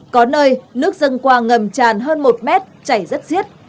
có nơi nước dâng qua ngầm tràn hơn một mét chảy rất xiết